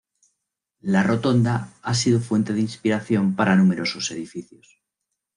La Rotonda ha sido fuente de inspiración para numerosos edificios.